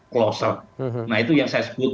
closet nah itu yang saya sebut